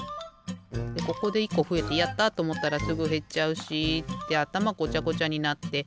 でここで１こふえて「やった！」とおもったらすぐへっちゃうしってあたまごちゃごちゃになってさいご